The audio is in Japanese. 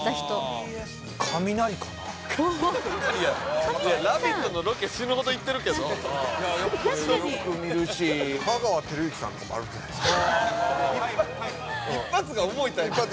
おおカミナリさん「ラヴィット！」のロケ死ぬほど行ってるけど確かにやっぱよく見るし香川照之さんとかもあるんじゃないですかああ！